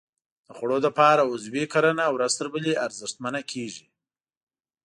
د خوړو لپاره عضوي کرنه ورځ تر بلې ارزښتمنه کېږي.